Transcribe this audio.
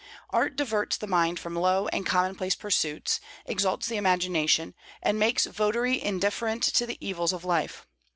Art diverts the mind from low and commonplace pursuits, exalts the imagination, and makes its votary indifferent to the evils of life.